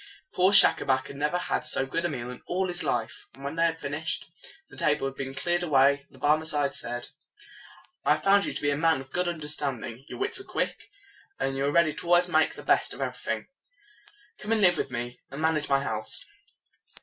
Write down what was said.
Poor Schacabac had never had so good a meal in all his life. When they had fin ished, and the table had been cleared away, the Barmecide said, "I have found you to be a man of good un der stand ing. Your wits are quick, and you are ready always to make the best of everything. Come and live with me, and manage my house."